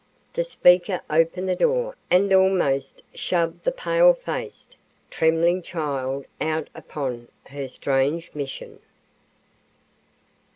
The speaker opened the door and almost shoved the pale faced, trembling child out upon her strange mission.